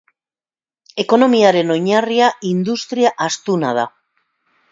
Ekonomiaren oinarria industria astuna da.